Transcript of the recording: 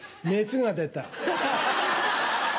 熱が出た。